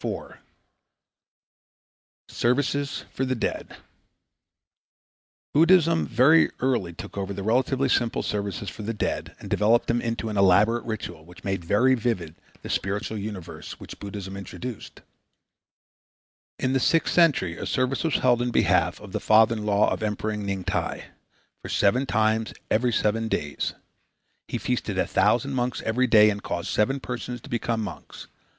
Services for the Dead_ Buddhism very early took over the relatively simple services for the dead and developed them into an elaborate ritual which made very vivid the spiritual universe which Buddhism introduced. In the sixth century a service was held in behalf of the father in law of Emperor Ning Ti (516 528 A. D.) for seven times every seven days. He feasted a thousand monks every day, and caused seven persons to become monks.